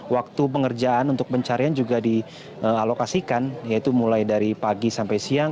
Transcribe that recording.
waktu pengerjaan untuk pencarian juga dialokasikan yaitu mulai dari pagi sampai siang